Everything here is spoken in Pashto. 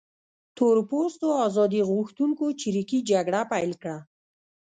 تور پوستو ازادي غوښتونکو چریکي جګړه پیل کړه.